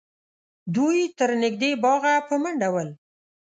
دوی تر نږدې باغه په منډه ول